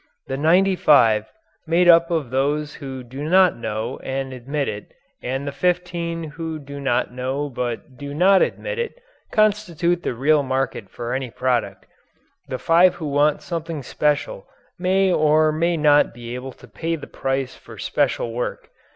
The ninety five, made up of those who do not know and admit it and the fifteen who do not know but do not admit it, constitute the real market for any product. The five who want something special may or may not be able to pay the price for special work.